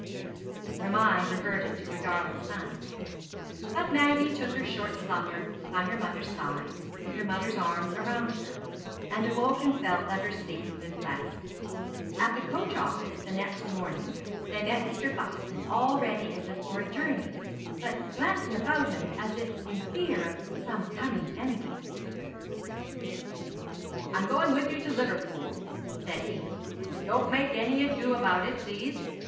Her mind reverted to her darling son; but Maggie took her short slumber by her mother's side, with her mother's arms around her; and awoke and felt that her sleep had been blessed. At the coach office the next morning they met Mr. Buxton all ready as if for a journey, but glancing about him as if in fear of some coming enemy. "I'm going with you to Liverpool," said he. "Don't make any ado about it, please.